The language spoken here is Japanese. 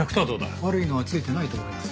悪いのはついてないと思います。